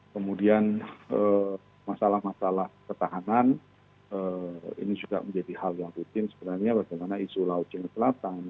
kemudian masalah masalah ketahanan ini juga menjadi hal yang rutin sebenarnya bagaimana isu laut cina selatan